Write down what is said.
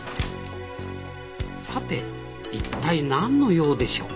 さて一体何の用でしょう？